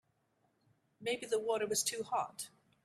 Maybe the water was too hot.